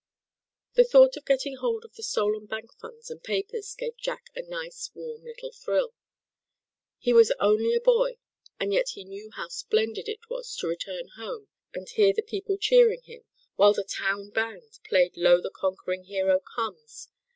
The thought of getting hold of the stolen bank funds and papers gave Jack a nice warm little thrill. He was only a boy, and yet he knew how splendid it was to return home, and hear the people cheering him, while the town band played "Lo, the Conquering Hero Comes."